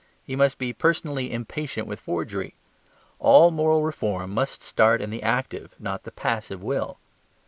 He must be personally impatient with forgery. All moral reform must start in the active not the passive will.